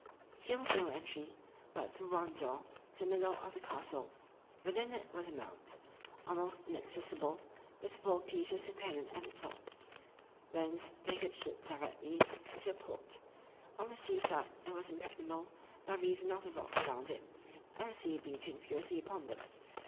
Here was no entry, but through one door, to the middle of the castle. Within it was a mount, almost inaccessible, with four pieces of cannon at the top; whence they could shoot directly into the port. On the sea side it was impregnable, by reason of the rocks round it, and the sea beating furiously upon them.